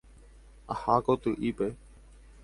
Aha koty'ípe.